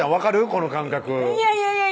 この感覚いやいやいや